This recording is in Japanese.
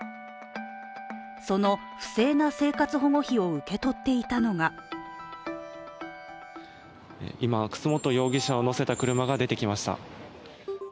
その、不正な生活保護費を受け取っていたのが今、楠本容疑者を乗せた車が出てきました。